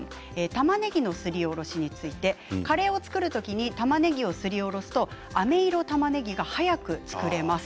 たまねぎのすりおろしについてカレーを作る時にたまねぎをすりおろすとあめ色たまねぎが早く作れます。